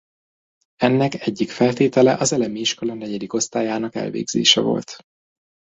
Ennek egyik feltétele az elemi iskola negyedik osztályának elvégzése volt.